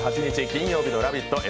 金曜日の「ラヴィット！」